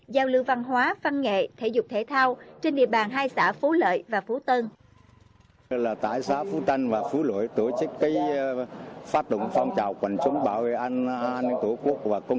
giao lưu văn hóa văn nghệ thể dục thể thao trên địa bàn hai xã phú lợi và phú tân